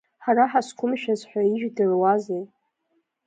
Ҳара ҳазқәымшәаз ҳәа ижәдыруазеи?!